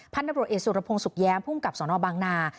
พนเอสุรพงษ์สุบแยมผู้กับสนบางนา